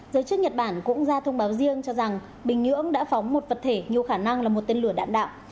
giới chức nhật bản cũng ra thông báo riêng cho rằng bình nhưỡng đã phóng một vật thể nhiều khả năng là một tên lửa đạn đạo